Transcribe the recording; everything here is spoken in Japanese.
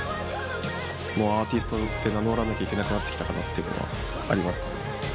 もうアーティストって名乗らなきゃいけなくなってきたかなっていうのはありますかね。